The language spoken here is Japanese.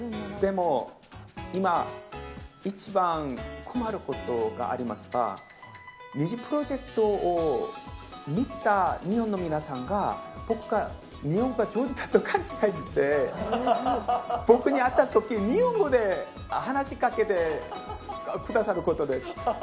でも、今、一番困ることがありますが、ニジプロジェクトを見た日本の皆さんが、僕が日本語が上手だと勘違いして、僕に会ったとき、日本語で話しかけてくださることです。